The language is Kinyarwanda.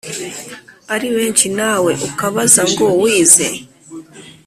ari benshi nawe ukabaza ngo wize